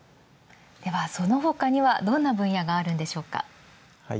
では、そのほかにはどんな分野があるんでしょうか？